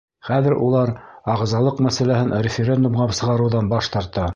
Хәҙер улар ағзалыҡ мәсьәләһен референдумға сығарыуҙан баш тарта.